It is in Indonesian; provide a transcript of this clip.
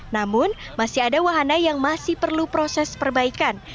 namun masih ada wahana yang masih perlu proses perbaikan